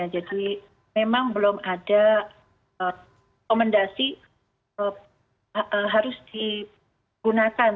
jadi memang belum ada rekomendasi harus digunakan